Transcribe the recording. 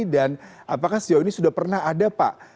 dan apakah setiap ini sudah pernah ada pak